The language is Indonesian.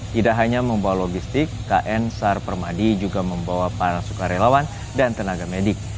tidak hanya membawa logistik kn sar permadi juga membawa para sukarelawan dan tenaga medik